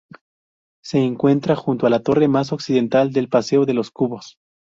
Se encuentra junto a la torre más occidental del paseo de los Cubos.